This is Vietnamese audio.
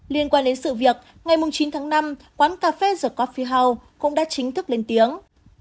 liên quan đến sự việc ngày chín tháng năm quán cà phê the coph phi house cũng đã chính thức lên tiếng